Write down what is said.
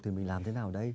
thì mình làm thế nào đây